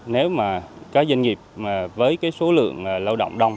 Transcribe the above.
nếu mà các doanh nghiệp với số lượng lao động đông